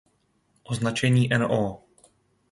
Označení ""No.